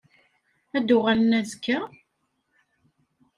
Ad d-uɣalen azekka?